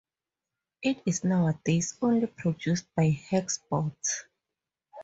It is nowadays only produced by Hexboards.